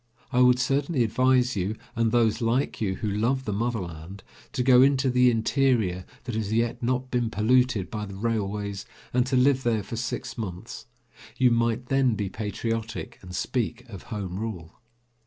I would certainly advise you and those like you who love the motherland to go into the interior that has yet not been polluted by the railways, and to live there for six months; you might then be patriotic and speak of Home Rule.